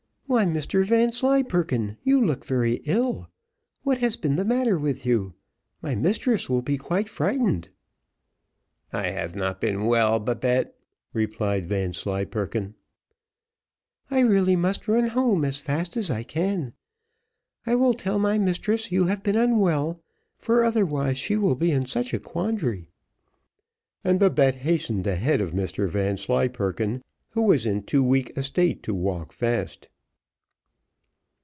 "Why, Mr Vanslyperken, you look very ill. What has been the matter with you? My mistress will be quite frightened." "I have not been well, Babette," replied Vanslyperken. "I really must run home as fast as I can. I will tell my mistress you have been unwell, for otherwise she will be in such a quandary;" and Babette hastened ahead of Mr Vanslyperken, who was in too weak a state to walk fast.